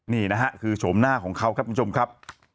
นี่นะฮะคือโฉมหน้าของเขาครับคุณผู้ชมครับ